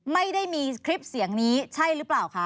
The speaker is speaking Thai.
ไม่ได้มีคลิปเสียงนี้ใช่หรือเปล่าคะ